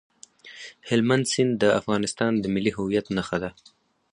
هلمند سیند د افغانستان د ملي هویت نښه ده.